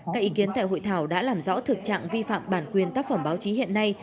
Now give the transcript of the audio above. các ý kiến tại hội thảo đã làm rõ thực trạng vi phạm bản quyền tác phẩm báo chí hiện nay